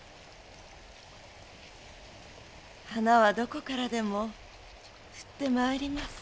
花はどこからでも降って参ります。